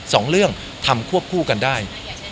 สองเรื่องทำควบคู่กันได้